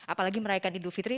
apalagi merayakan idul fitri